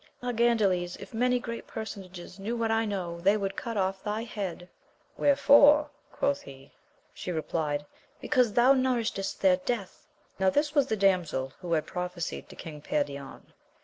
Ah, Gandales if many great personages knew what I know, they would cut oflF thy head ! Where fore ? quoth he. She replied, because thou nourishest their death. Now this was the damsel who had pro phesied to King Perion.